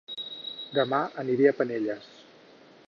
Dema aniré a Penelles